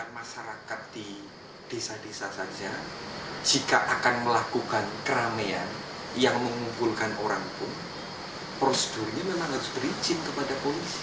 masyarakat di desa desa saja jika akan melakukan keramaian yang mengumpulkan orang pun prosedurnya memang harus berizin kepada polisi